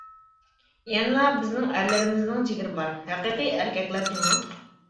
يەنىلا بىزنىڭ ئەرلىرىمىزنىڭ جىگىرى بار، ھەقىقىي ئەركەكلەر جۇمۇ.